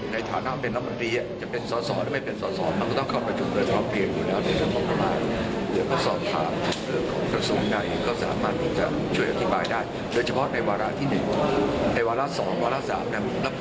ในฐานะว่าเป็นน้ำบอตรีจะเป็นสอดศอดหรือไม่เป็นสอดศอด